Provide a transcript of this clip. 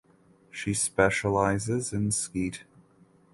She specializes in skeet.